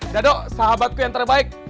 dado sahabatku yang terbaik